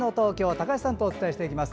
高橋さんとお伝えします。